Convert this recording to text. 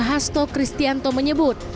hasto kristianto menyebut